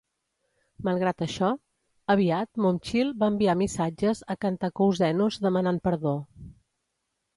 Malgrat això, aviat Momchil va enviar missatges a Kantakouzenos demanant perdó.